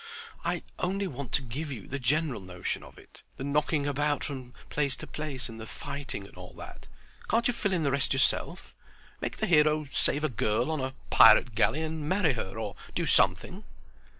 "I only want to give you the general notion of it—the knocking about from place to place and the fighting and all that. Can't you fill in the rest yourself? Make the hero save a girl on a pirate galley and marry her or do something."